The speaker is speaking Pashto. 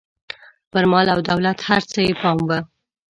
پر مال او دولت هر څه یې پام و.